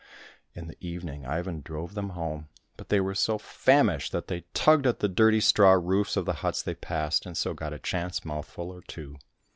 In the evening Ivan drove them home, but they were so famished that they tugged at the dirty straw roofs of the huts they passed, and so got a chance mouthful or two.